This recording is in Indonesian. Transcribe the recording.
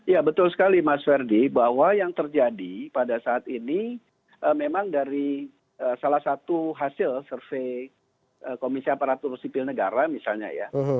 ya betul sekali mas ferdi bahwa yang terjadi pada saat ini memang dari salah satu hasil survei komisi aparatur sipil negara misalnya ya